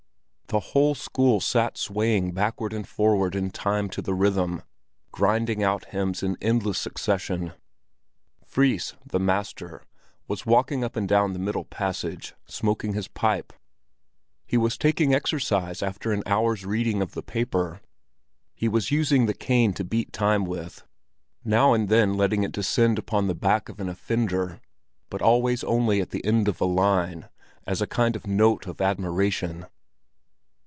The whole school sat swaying backward and forward in time to the rhythm, grinding out hymns in endless succession. Fris, the master, was walking up and down the middle passage, smoking his pipe; he was taking exercise after an hour's reading of the paper. He was using the cane to beat time with, now and then letting it descend upon the back of an offender, but always only at the end of a line—as a kind of note of admiration.